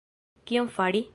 Kion Fari?